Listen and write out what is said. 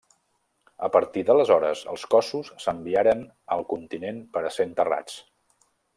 A partir d'aleshores els cossos s'enviaren al continent per a ser enterrats.